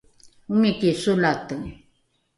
omiki solate